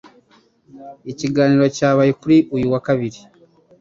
Ikiganiro cyabaye kuri uyu wa kabiri